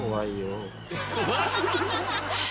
アハハハ！